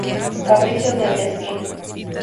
Caprichos del destino.